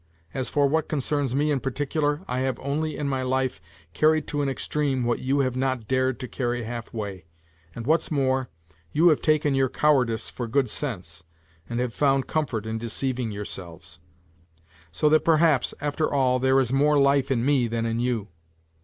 As for what concerns me in particular I have only in my life carried to an extreme what you have not dared to carry half way, and what's more, you have taken your cowardice for good sense, and have found comfort in deceiving yourselves. So that perhaps, after all, there is more life in me than in you.